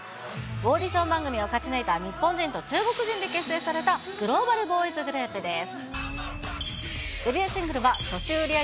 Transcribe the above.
オーディション番組を勝ち抜いた日本人と中国人で結成されたグローバルボーイズグループです。